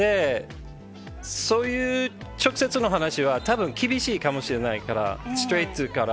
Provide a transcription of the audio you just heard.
そういう直接の話は、たぶん厳しいかもしれないから、ストレートだから。